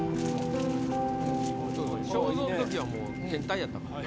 章造の時はもう変態やったからな。